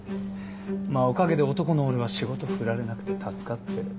まぁおかげで男の俺は仕事振られなくて助かってる。